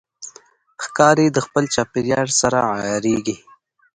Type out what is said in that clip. ښکاري د خپل چاپېریال سره عیارېږي.